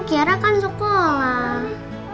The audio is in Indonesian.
kiara kan sekolah